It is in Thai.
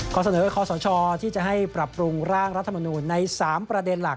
เสนอคอสชที่จะให้ปรับปรุงร่างรัฐมนูลใน๓ประเด็นหลัก